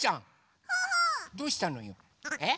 どうしたのよ？え？